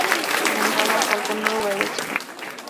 এমনটা আমার কল্পনারও বাইরে ছিল।